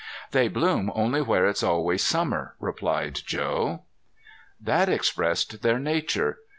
"They bloom only where it's always summer," explained Joe. That expressed their nature.